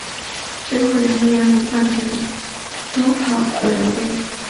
最后两个联盟冠军夺考尔德杯。